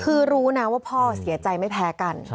คือรู้นะว่าพ่อเสียใจไม่แพ้กัน